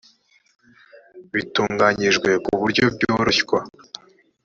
bitunganyijwe ku buryo bworoshya